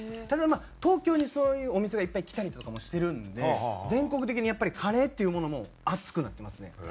ただまあ東京にそういうお店がいっぱい来たりとかもしてるんで全国的にやっぱりカレーっていうものも熱くなってますね。